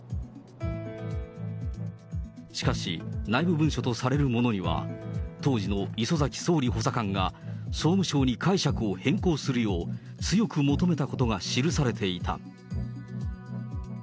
しかし、内部文書とされるものには、当時の礒崎総理補佐官が、総務省に解釈を変更するよう、強く求めたことが記されていた。